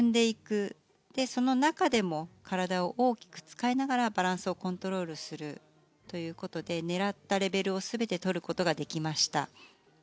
そして、その中でも体を大きく使いながらバランスをコントロールするということで狙ったレベルを全てとることができました。